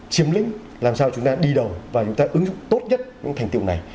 chiếm lĩnh làm sao chúng ta đi đầu và chúng ta ứng dụng tốt nhất những thành tiệu này